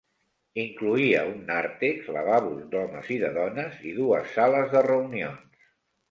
Incloïa un nàrtex, lavabos d'homes i de dones i dues sales de reunions.